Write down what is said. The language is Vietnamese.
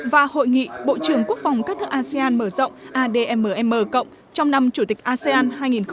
và hội nghị bộ trưởng quốc phòng các nước asean mở rộng admm cộng trong năm chủ tịch asean hai nghìn hai mươi